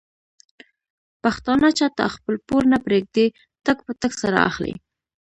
پښتانه چاته خپل پور نه پرېږدي ټک په ټک سره اخلي.